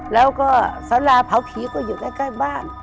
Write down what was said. แล้วก็สาราเผาผีก็อยู่ใกล้บ้าน